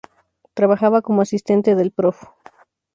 Trabajaba como asistente del Prof.